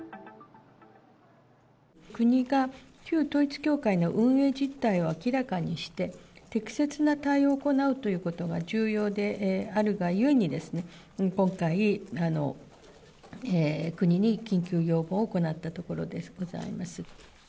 国が旧統一教会の運営実態を明らかにして、適切な対応を行うということが重要であるがゆえにですね、今回、国に緊急要望を行ったところでございます。